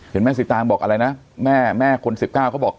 แม่สิตางบอกอะไรนะแม่แม่คน๑๙เขาบอก